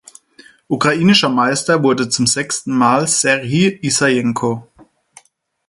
Ukrainischer Meister wurde zum sechsten Mal Serhij Issajenko.